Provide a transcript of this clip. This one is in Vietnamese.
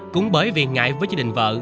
cũng bởi vì ngại với gia đình vợ